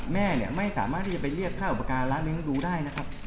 แม่ไม่สามารถที่จะไปเรียกค่าอุปการณ์และเริ่มรู้ได้